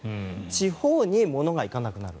地方に物がいかなくなる。